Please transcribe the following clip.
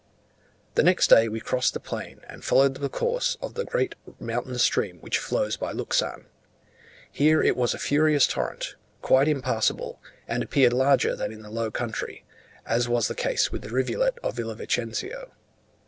The next day we crossed the plain, and followed the course of the same great mountain stream which flows by Luxan. Here it was a furious torrent, quite impassable, and appeared larger than in the low country, as was the case with the rivulet of Villa Vicencio.